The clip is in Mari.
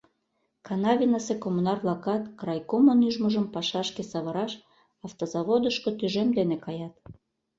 Канавинысе коммунар-влакат крайкомын ӱжмыжым пашашке савыраш Автозаводышко тӱжем дене каят.